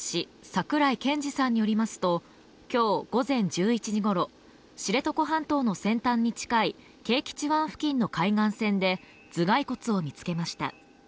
桜井憲二さんによりますと今日午前１１時ごろ知床半島の先端に近い啓吉湾付近の海岸線で頭蓋骨を見つけました